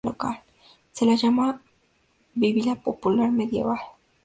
Se la ha llamado "Biblia popular medieval".